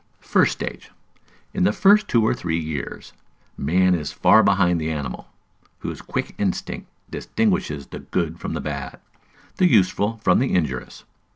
First Stage. In the first two or three years, man is far behind the animal, whose quick instinct distinguishes the good from the bad, the useful from the injurious.